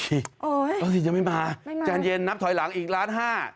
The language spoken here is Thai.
อุ๊ยไม่มีไม่มีวัสซีนยังไม่มาจานเย็นนับถอยหลังอีกล้านห้า